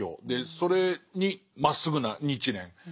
それにまっすぐな日蓮。